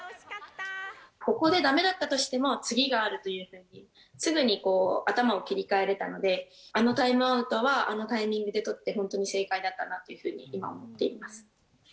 ここでだめだったとしても次があるというふうに、すぐに頭を切り替えれたので、あのタイムアウトは、あのタイミングで取って、本当に正解だったなというふうに、今思っています。